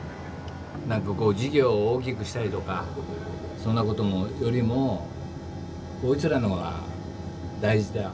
なんかこう事業を大きくしたりとかそんなことよりもこいつらのが大事だよ。